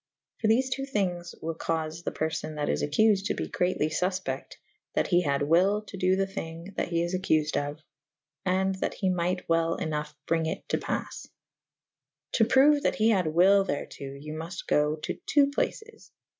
For thefe two thynges wyll caufe the perfo;? that is acculed to be greatly fulpecte that he had wyl to do the thyng that he is accufed of/ and that he myght welP ynoughe brynge it to paffe. To proue that he had wyll therto : you mult go to .ii. plac^'j.